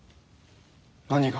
何が？